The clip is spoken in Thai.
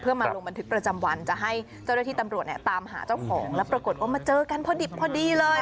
มาลงบันทึกประจำวันจะให้เจ้าหน้าที่ตำรวจเนี่ยตามหาเจ้าของแล้วปรากฏว่ามาเจอกันพอดิบพอดีเลย